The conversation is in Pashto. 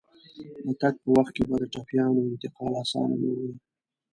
د تګ په وخت کې به د ټپيانو انتقال اسانه نه وي.